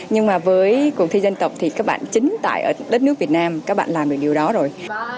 nhưng mà với cuộc thi dân tộc thì các bạn chính tại đất nước việt nam các bạn làm được điều đó rồi